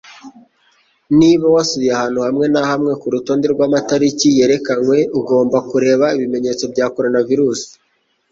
Niba wasuye ahantu hamwe na hamwe kurutonde rwamatariki yerekanwe, ugomba kureba ibimenyetso bya coronavirus.